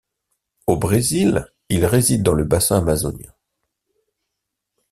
Au Brésil il réside dans le bassin amazonien.